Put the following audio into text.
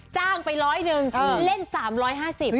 จ้างไปร้อยหนึ่งเล่นสามร้อยห้าสิบ